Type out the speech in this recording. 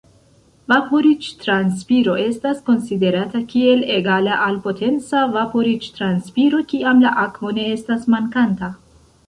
Vaporiĝ-transpiro estas konsiderata kiel egala al potenca vaporiĝ-transpiro kiam la akvo ne estas mankanta.